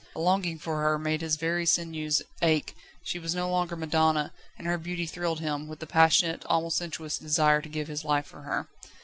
A longing for her made his very sinews ache; she was no longer madonna, and her beauty thrilled him, with the passionate, almost sensuous desire to give his life for her.